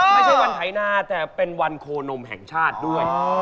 ไม่ใช่วันไถนาแต่เป็นวันโคนมแห่งชาติด้วย